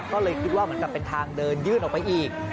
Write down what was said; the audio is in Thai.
ก็เลยคิดว่าเหมือนกับเป็นทางเดินยื่นออกไปอีก